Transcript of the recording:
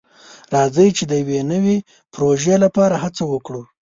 راځه چې د یو نوي پروژې لپاره هڅه وکړو.